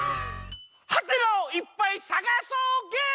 はてなをいっぱいさがそうゲーム！